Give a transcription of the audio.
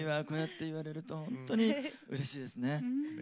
こうやって言われると本当にうれしいですね。